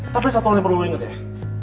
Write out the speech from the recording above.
tapi satu hal yang perlu lo inget ya